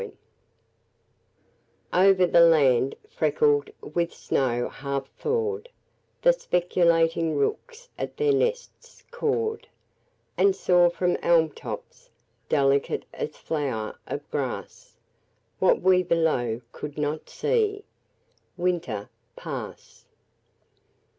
Thaw OVER the land freckled with snow half thawed The speculating rooks at their nests cawed And saw from elm tops, delicate as flower of grass, What we below could not see, Winter pass.